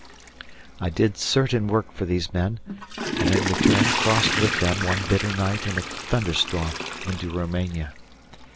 I did certain work for these men, and in return crossed with them one bitter night in a thunderstorm into Roumania.